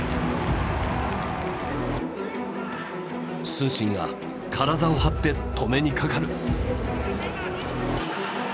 承信が体を張って止めにかかる。